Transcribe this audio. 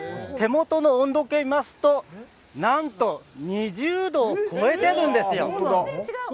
手元の温度計を見ますと何と２０度を超えているんですよ。